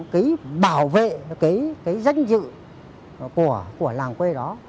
cái bảo vệ cái danh dự của làng quê đó